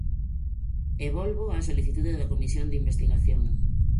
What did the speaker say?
E volvo á solicitude da comisión de investigación.